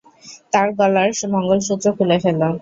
তার গলার মঙ্গলসূত্র খুলে ফেলো।